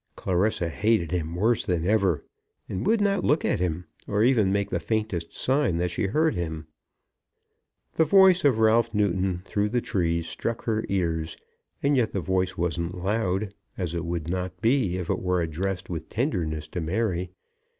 Clarissa hated him worse than ever, and would not look at him, or even make the faintest sign that she heard him. The voice of Ralph Newton through the trees struck her ears; and yet the voice wasn't loud, as it would not be if it were addressed with tenderness to Mary.